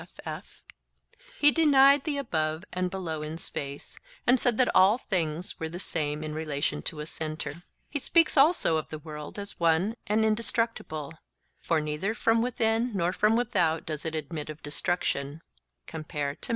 he denied the above and below in space, and said that all things were the same in relation to a centre. He speaks also of the world as one and indestructible: 'for neither from within nor from without does it admit of destruction' (Tim).